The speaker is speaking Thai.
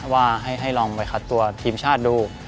ว่าให้ลองไปคัดตัวทีมชาติดู